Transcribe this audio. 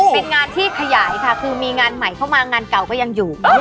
เป็นงานที่ขยายค่ะคือมีงานใหม่เข้ามางานเก่าก็ยังอยู่